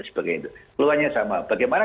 dan sebagainya keluhannya sama bagaimana